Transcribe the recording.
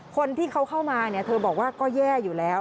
คนที่เขาเข้ามาเนี่ยเธอบอกว่าก็แย่อยู่แล้ว